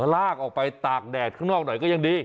ลากออกไปตากแดดข้างนอกหน่อยก็ยังดี